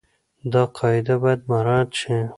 دا قاعده بايد مراعت شي.